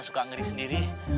aneh suka ngeri sendiri